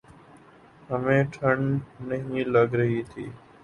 ہمیں ٹھنڈ نہیں لگ رہی تھی۔